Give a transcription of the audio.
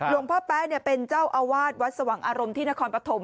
หลวงพ่อแป๊ะเป็นเจ้าอาวาสวัดสว่างอารมณ์ที่นครปฐม